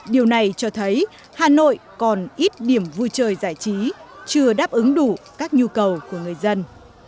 điều này cho thấy hà nội còn ít điểm vui chơi giải trí chưa đáp ứng đủ các nhu cầu của người dân